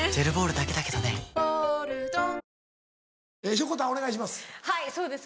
しょこたんお願いします。